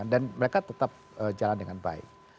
dan mereka tetap jalan dengan baik